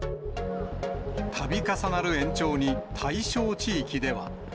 たび重なる延長に対象地域では。